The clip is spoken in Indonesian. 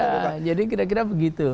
nah jadi kira kira begitu